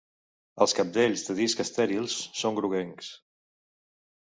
Els cabdells de disc estèrils són groguencs.